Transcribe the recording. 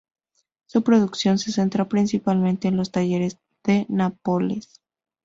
Su producción se centra principalmente en los talleres de Nápoles.